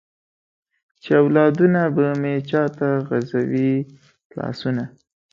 چې اولادونه به مې چاته غزوي لاسونه ؟